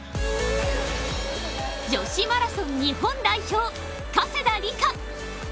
女子マラソン日本代表加世田梨花。